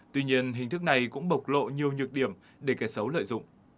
tuy nhiên hình thức này cũng bộc lộ nhiều nhược điểm để kẻ xấu lợi dụng